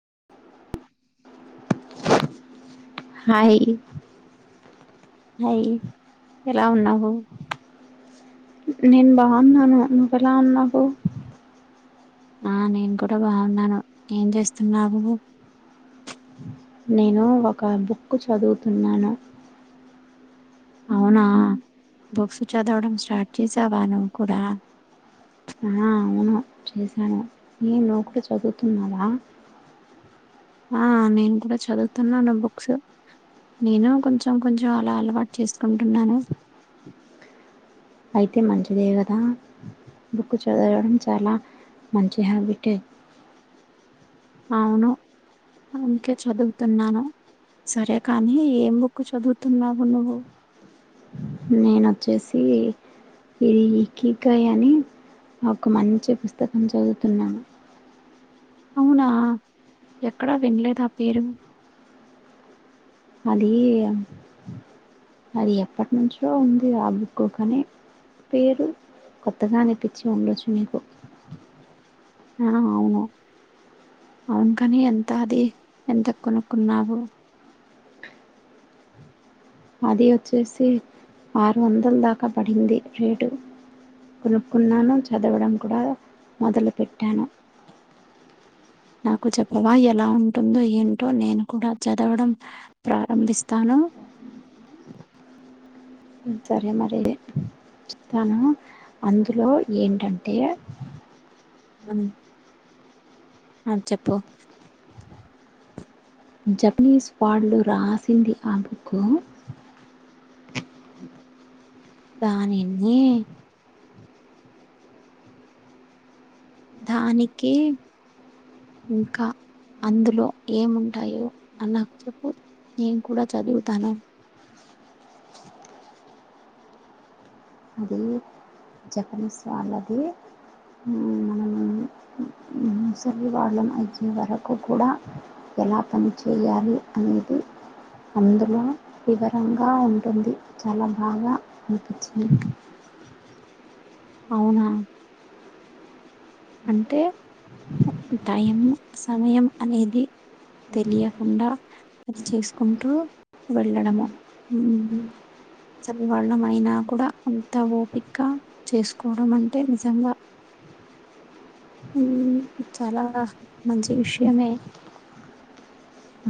[inaudible] Hi hi ఎలా ఉన్నావు నేను బాగున్నాను నువ్వెలా ఉన్నావు ఆ నేను కూడా బాగున్నాను ఏం చేస్తున్నావు నేను ఒక బుక్ చదువుతున్నాను అవునా బుక్స్ చదవడం స్టార్ట్ చేసావా నువ్వు కూడా ఆ అవును చేశాను ఏ నువ్వు కూడా చదువుతున్నావా ఆ నేను కూడా చదువుతున్నాను బుక్స్ నేను కొంచెం కొంచెం అలా అలవాటు చేసుకుంటున్నాను అయితే మంచిదే గద బుక్కు చదవడం చాలా మంచి హ్యాబిట్ ఏ అవును అందుకే చదువుతున్నాను సరే కానీ ఏం బుక్కు చదువుతున్నావు నువ్వు నేనొచ్చేసి ఇది ఇకిగై అని ఒక మంచి పుస్తకం చదువుతున్నాను అవునా ఎక్కడా వినలేదు ఆ పేరు అది అది ఎప్పటి నుంచో ఉంది ఆ బుక్కు కాని పేరు కొత్తగా అనిపించి ఉండొచ్చు నీకు ఆ అవును అవునుకని ఎంత అది ఎంత కొనుక్కున్నావు అది వచ్చేసి ఆరు వందల దాకా పడింది రేటు కొనుక్కున్నాను చదవడం కూడా మొదలుపెట్టాను నాకు చెప్పవా ఎలా ఉంటుందో ఏంటో నేను కూడా చదవడం ప్రారంభిస్తాను [inaudible] సరే మరి రేపు చెప్తాను అందులో ఏంటంటే అం ఆ చెప్పు జపనీస్ వాళ్ళు రాసింది ఆ బుక్కు దానిని దానికి ఇంకా అందులో ఏముంటాయో అని నాకు చెప్పు నేను కూడా చదువుతాను జపనీస్ వాలాది మనము ముసలి వాళ్ళం అయ్యే వరకు కూడా ఎలా పని చేయాలి అనేది అందులో వివరంగా ఉంటుంది చాలా బాగా అనిపించింది [inaudible] అవునా [inaudible] టైం సమయం అనేది తెలియకుండా అది చేసుకుంటూ వెళ్ళడము హమ్ అసలు వాళ్ళం అయినా కూడా అంత ఓపిక చేసుకోవడం అంటే నిజంగా హ చాలా మంచి విషయమే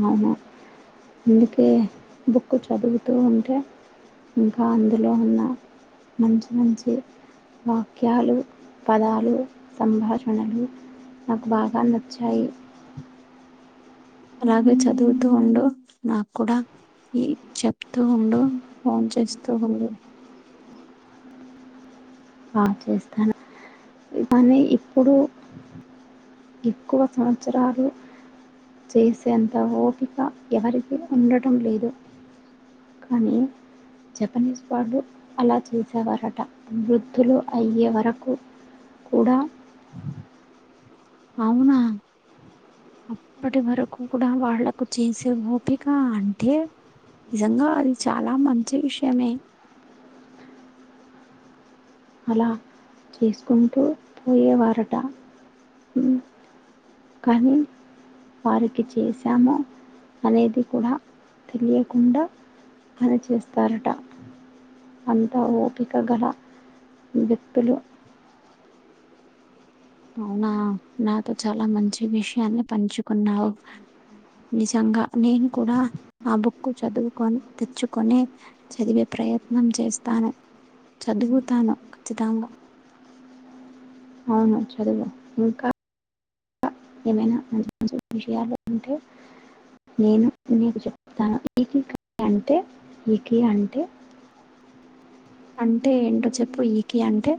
అవును అందుకే బుక్ చదువుతూ ఉంటే ఇంకా అందులో ఉన్న మంచి మంచి వాక్యాలు పదాలు సంభాషణలు నాకు బాగా నచ్చాయి అలాగే చదువుతూ ఉండు నాకు కూడా ఈ చెప్తూ ఉండు ఫోన్ చేస్తూ ఉండు బాగా చేస్తాను కానీ ఇప్పుడు ఎక్కువ సంవత్సరాలు చేసేంత ఓపిక ఎవరికి ఉండటం లేదు కానీ జపనీస్ వాళ్ళు అలా చేసేవారట అత్తులు అయ్యే వరకు కూడా అవునా అప్పటి వరకు కూడా వాళ్లకు చేసే ఓపిక అంటే నిజంగా అది చాలా మంచి విషయమే అలా చేసుకుంటూ పోయేవారట కానీ వారికి చేసాము అనేది కూడా తెలియకుండా అర చేస్తారట అంతా ఓపిక గల వ్యక్తులు అవునా నాతో చాలా మంచి విషయాన్ని పంచుకున్నావు నిజంగా నేను కూడా ఆ బుక్కు చదువుకోని తెచ్చుకొని చదివే ప్రయత్నం చేస్తాను చదువుతాను ఖచ్చితంగా [inaudible] అవును చదువు ఇంకా ఏమైనా మంచి మంచి విషయాలు ఉంటే నేను నీకు చెప్తాను ఈ క అంటే ఈకి అంటే అంటే ఏంటో చెప్పు ఈకి అంటే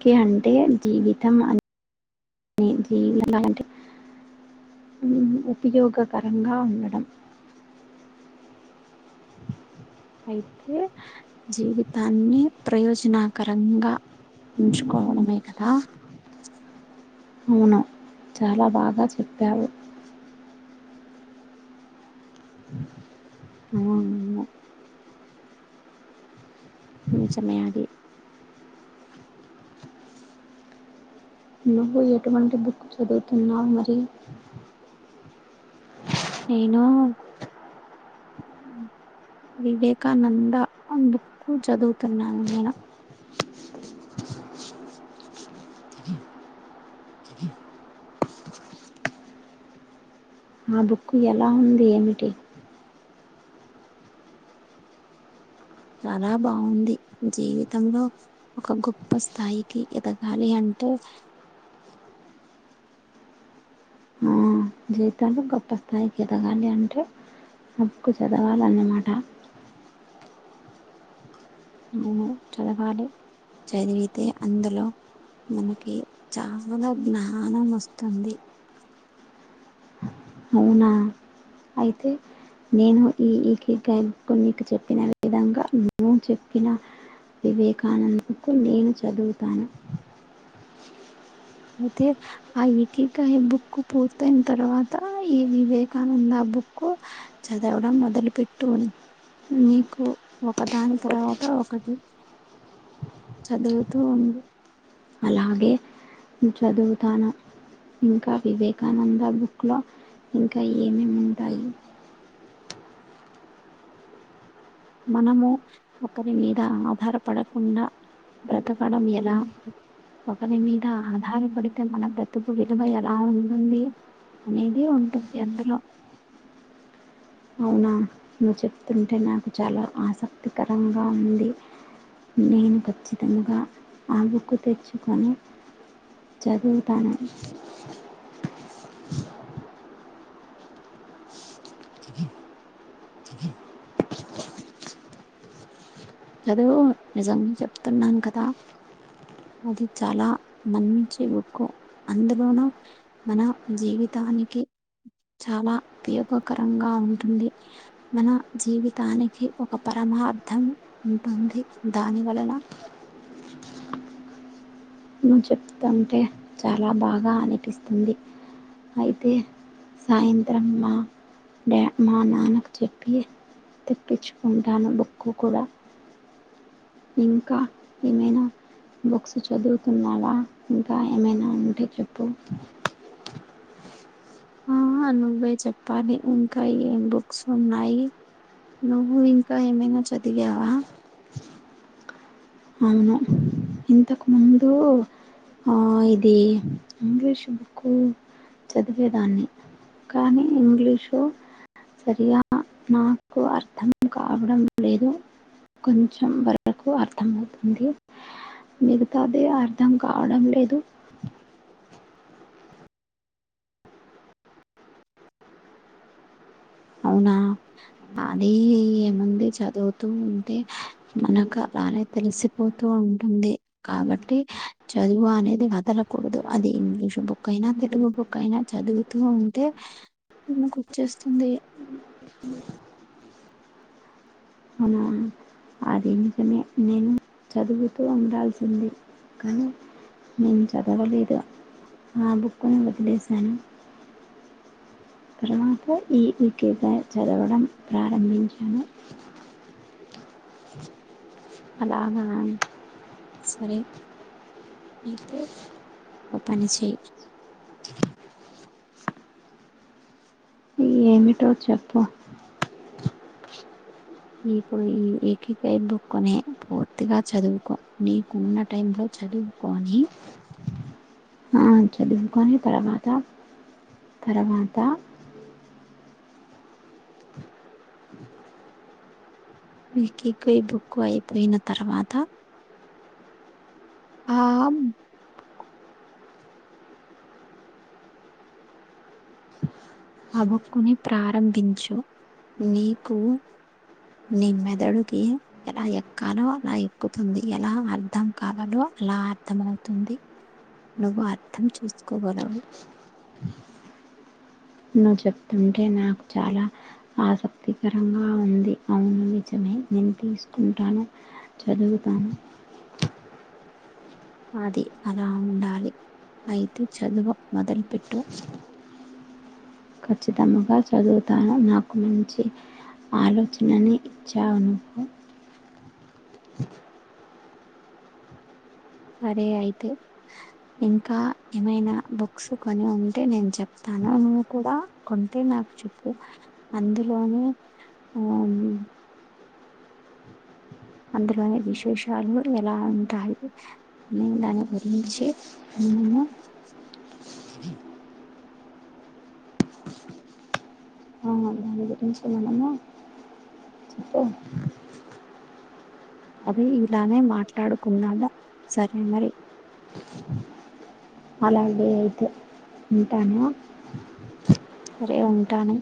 కే అంటే జీవితం అని జీవియాలంటే ఉపయోగకరంగా ఉండడం అయితే జీవి దాన్ని ప్రయోజనకరంగా ఉంచుకోవడమే కదా అవును చాలా బాగా చెప్పావు హ్మ్ అవును నిజమే అది నువ్వు ఎటువంటి బుక్ చదువుతున్నావు మరి నేను వివేకానంద అందుకు చదువుతున్నాను నేను ఆ బుక్ ఎలా ఉంది ఏమిటి చాలా బాగుంది జీవితంలో ఒక గొప్ప స్థాయికి ఎదగాలి అంటే టే జీవితాలు గొప్ప స్థాయికి ఎదగాలి అంటే బుక్కు చదవాలన్నమాట అవును చదవాలి చదివితే అందులో మనకి చాలా జ్ఞానం వస్తుంది అవునా అయితే నేను ఈ ఈకేకు నీకు చెప్పిన విధంగా నేన్ చెప్పిన వివేకానంద బుక్ నేను చదువుతాను అయితే ఆ ఇటీకాయ బుక్ పూర్తయిన తర్వాత ఈ వివేకానంద బుక్ కు చదవడం మొదలు పెట్టున్ నీకు ఒక దాని తర్వాత ఒకటి చదువుతూ ఉండు హు చదువుతాను ఇంకా వివేకానంద బుక్లో ఇంకా ఏమేమి ఉంటాయి మనము ఒకరి మీద ఆధారపడకుండా బ్రతకడం ఎలా ఒకరి మీద ఆధారపడితే మన బ్రతుకు విలువ ఎలా ఉంటుంది అనేది ఉంటుంది అందులో అవునా నువ్ చెప్తుంటే నాకు చాలా ఆసక్తికరంగా ఉంది నేను ఖచ్చితంగా ఆ బుక్ తెచ్చుకొని చదువుతాను చదువు నిజం చెప్తున్నాను కదా అది చాలా మంచి బుక్కు అందులోను మన జీవితానికి చాలా ఉపయోగకరంగా ఉంటుంది, మన జీవితానికి ఒక పర. మార్ధం ఉంటుంది దాని వలన చెప్తుంటే చాలా బాగా అనిపిస్తుంది అయితే సాయంత్రం మా డా మా నాన్నకు చెప్పి తెప్పించుకుంటాను బుక్కు కూడా ఇంకా ఏమేనా బుక్సు చదువుతున్నావా ఇంకా ఏమైనా ఉంటే చెప్పు ఆ నువ్వే చెప్పాలి ఇంకా ఏం బుక్స్ ఉన్నాయి నువ్వు ఇంకా ఏమైనా చదివావ అవును ఇంతకు ముందు ఆ ఇది ఇంగ్లీష్ బుక్కు చదివేదాన్ని కానీ ఇంగ్లీషు సరిగా నాకు అర్థం కావడం లేదు కొంచెం వరకు అర్ అర్థంమవుతుంది మిగతాది అర్థం కావడం లేదు అవునా అది ఏముంది చదువుతూ ఉంటే మనకు అలానే తెలిసిపోతూ ఉంటుంది కాబట్టి చదువు అనేది వదలకూడదు, అది ఇంగ్లీష్ బుక్ అయినా తె. తెలుగు బుక్కు అయిన చదువుతూ ఉంటే మనకు వచ్చేస్తుంది అవునా అదీ నిజమే నేను చదువుతూ ఉండాల్సిందే కానీ నేను చదవలేదా ఆ బుక్ ను వదిలేసాను తర్వాత ఈ వికీపాడ్ చదవడం ప్రారంభించాను అలాగానా సరే అయితే [unintelligible] ఏమిటో చెప్ప ఈప్పుడు ఈ ఇక్లిక్ ఐందో కొనే పూర్తిగా చదువుకో, నీకున్న టైం లో చదువుకొని. ఆ చదువుకొని తర్వాత తర్వాత విక్లిక్యావ్ బుక్కు అయిపోయిన తర్వాత ఆమ్ ఆ బుక్కుని ప్రారంభించు. నీకు నీ మెదడుకి ఎలా ఎక్కాలో అల ఎక్కుతుంది. ఎలా అర్ధం కవాలో అలా అర్థం అవుతుంది. నువ్వు అర్థం చేసుకోగలవు. నువ్వు చెప్తుంటే నాకు చాలా ఆసప్తికరంగా ఉంది. అవును నిజమే నేను తీసుకుంటాను, చదువుతాను. అది అలా ఉండాలి. అయితే చదువో మొదలుపెట్టు. ఖచ్చితముంగా చదువుతాను. నాకు మంచి ఆలోచనని ఇచ్చావ్ నువ్వు సరే అయితే ఇంకా ఏమైనా బుక్స్ కొని ఉంటే నేను చెప్తాను. నువ్వు కూడా కొంటే నాక్ చెప్పు అందులోనే ఉహ్మ్ అందులోని విశేషాలుగుడ్ ఎలా ఉంటాయి. నేన్ దాని గురించి. నేనైను అవి ఇలానే మాట్లాడుకున్దాము, సరే మరి. అలాగే అయితే ఉంటాను. సరే ఉంటాను.